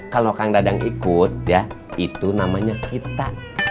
kalau kang dadang ikut ya itu namanya kita